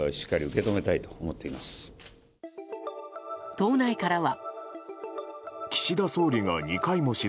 党内からは。